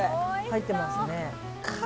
入っていますね。